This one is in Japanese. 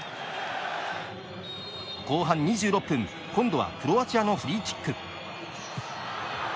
後半２６分今度はクロアチアのフリーキック。